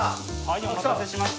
お待たせしました。